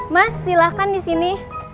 mas silahkan di sini